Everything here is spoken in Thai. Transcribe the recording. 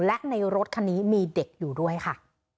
และในรถคันนี้มีเด็กอยู่ด้วยค่ะ